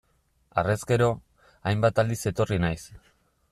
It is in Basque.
Harrezkero, hainbat aldiz etorri naiz.